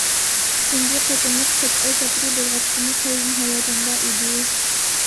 تۇنجى قېتىملىق چەت ئەل سەپىرى بولغاچقىمۇ، قەلبىم ھاياجاندا ئىدى.